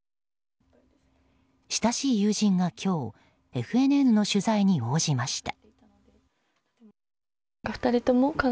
親しい友人が今日ＦＮＮの取材に応じました。